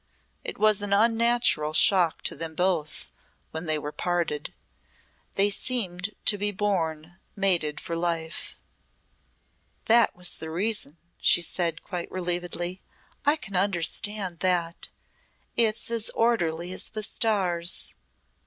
It was an unnatural shock to them both when they were parted. They seemed to be born mated for life." "That was the reason," she said quite relievedly. "I can understand that. It's as orderly as the stars."